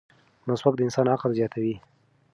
مسواک د انسان عقل زیاتوي.